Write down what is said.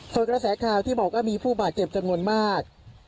ส่วนกระแสข่าวที่บอกว่ามีผู้บาดเจ็บจำนวนมาก